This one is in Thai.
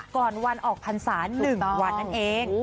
ก่อนวันออกพันธ์ศาสตร์๑วันนั่นเอง